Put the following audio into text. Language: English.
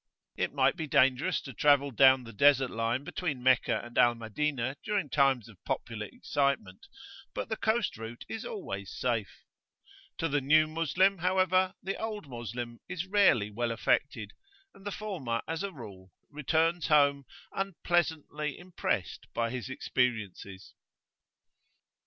It might be dangerous to travel down the Desert line between Meccah and Al Madinah during times of popular excitement; but the coast route is always safe. To the "new Moslem," however, the old Moslem is rarely [p.xxiv] well affected; and the former, as a rule, returns home unpleasantly impressed by his experiences.